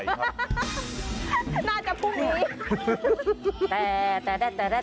ทุกข้าทุกข้าทุกข้า